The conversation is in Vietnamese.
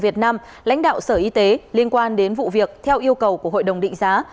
việt nam lãnh đạo sở y tế liên quan đến vụ việc theo yêu cầu của hội đồng định giá